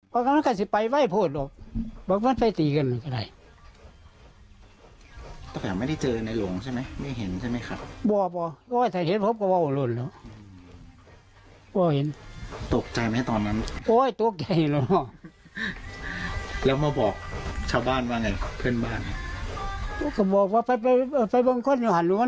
และก็บอกชาวบ้านว่าไงนะเคยเชื่อว่าไปบ้านข้วยอย่างงั้นขึ้นอยู่ห่างอน